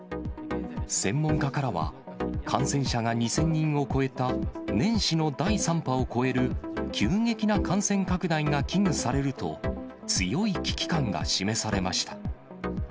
専門家からは、感染者が２０００人を超えた年始の第３波を超える、急激な感染拡大が危惧されると、強い危機感が示されました。